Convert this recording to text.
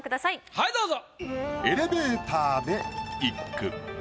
はいどうぞ。